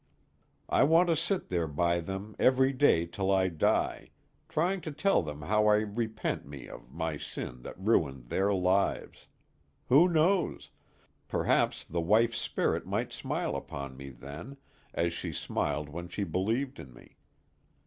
I want to sit there by them every day till I die, trying to tell them how I repent me of my sin that ruined their lives. Who knows? Perhaps the wife's spirit might smile upon me then, as she smiled when she believed in me.